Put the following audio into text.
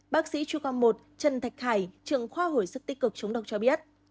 bác sĩ chú con một trần thạch khải trường khoa hội sức tích cực chống độc cho biết